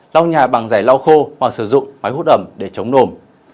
lau nhà bằng giải lau khô hoặc sử dụng máy hút ẩm để chống nồm